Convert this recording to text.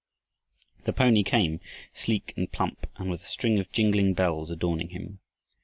The pony came, sleek and plump and with a string of jingling bells adorning him.